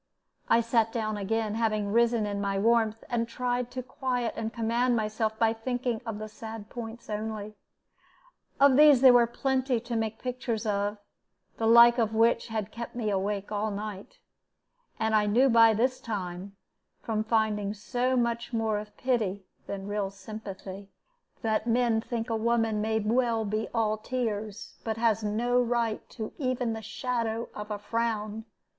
I sat down again, having risen in my warmth, and tried to quiet and command myself by thinking of the sad points only. Of these there were plenty to make pictures of, the like of which had kept me awake all night; and I knew by this time, from finding so much more of pity than real sympathy, that men think a woman may well be all tears, but has no right to even the shadow of a frown.